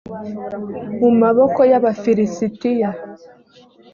mu maboko y abafilisitiya